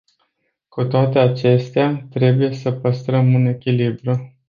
Cu toate acestea, trebuie sa păstrăm un echilibru.